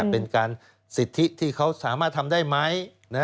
เป็นการสิทธิที่เขาสามารถทำได้ไหม